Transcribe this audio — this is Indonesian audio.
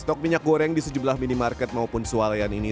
stok minyak goreng di sejumlah minimarket maupun sualayan ini